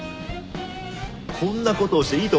こんなことをしていいと思ってるのか？